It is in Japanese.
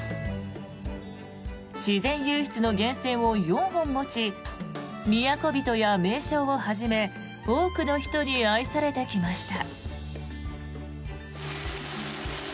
自然湧出の源泉を４本持ち都人や名将をはじめ多くの人に愛されてきました。